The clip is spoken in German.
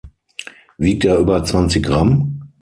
Wiegt er über zwanzig Gramm?